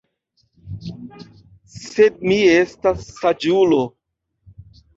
Sed mi estas saĝulo.